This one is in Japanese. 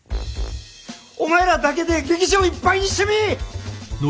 お前らだけで劇場をいっぱいにしてみぃ！